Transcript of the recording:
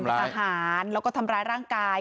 ใช่แฟนเป็นทางหารแล้วก็ทำร้ายร่างกาย